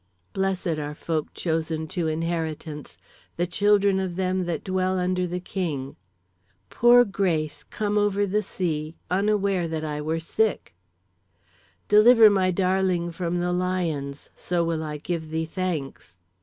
"Blessed are folk chosen to inheritance; the children of them that dwell under the king. "Poor Grac(e) come over the see (sea), unaware that I were sick. "Deliver my darling from the lions, so will I give thee thanks.